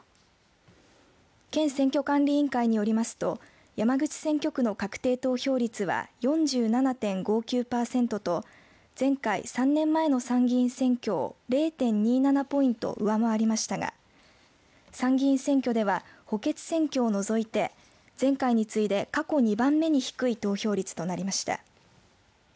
県選挙管理委員会によりますと山口選挙区の確定投票率は４７．５９％と前回・３年前の参議院選挙を０．２７ポイント上回りましたが参議院選挙では補欠選挙を除いて前回に次いで過去２番目に低い投票率となりました。